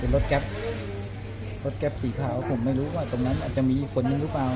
รถแก๊ปสีขาวผมไม่รู้ว่าตรงนั้นอาจจะมีคนหรือเปล่า